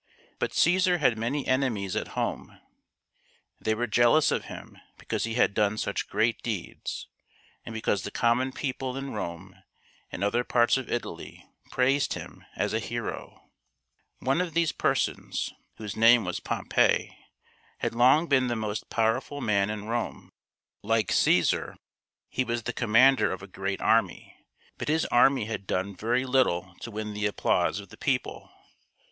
But Caesar had many enemies at home. They were jealous of him because he had done such great CROSSING THE RUBICON 213 deeds, and because the common people in Rome and other parts of Italy praised him as a hero. One of these persons, whose name was Pompey, had long been the most powerful man in Rome. Like C^sar, he was the commander of a great army ; but his army had done very little to win the ap plause of the people.